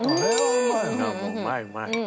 うまいうまい。